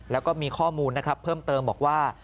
แล้วก็มีข้อมูลนะครับเพิ่มเติมบอกว่า